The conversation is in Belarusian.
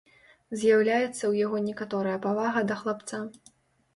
З'яўляецца ў яго некаторая павага да хлапца.